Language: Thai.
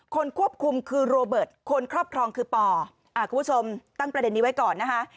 ควบคุมคือโรเบิร์ตคนครอบครองคือป่อคุณผู้ชมตั้งประเด็นนี้ไว้ก่อนนะคะ